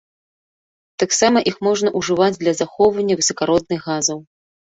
Таксама іх можна ўжываць для захоўвання высакародных газаў.